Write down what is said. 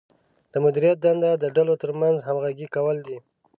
د مدیریت دنده د ډلو ترمنځ همغږي کول دي.